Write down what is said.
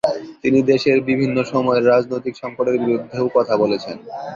তিনি দেশের বিভিন্ন সময়ের রাজনৈতিক সংকটের বিরুদ্ধেও কথা বলেছেন।